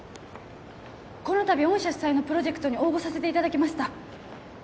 このたび御社主催のプロジェクトに応募させていただきました